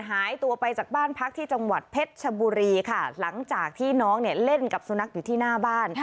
หายตัวไปจากบ้านพักที่จังหวัดเพชรชบุรีค่ะหลังจากที่น้องเนี่ยเล่นกับสุนัขอยู่ที่หน้าบ้าน